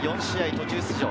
途中出場。